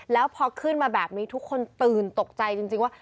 แล้วพอขึ้นมาแบบนี้ทุกคนตื่นตกใจจริงว่า